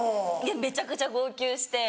めちゃくちゃ号泣して。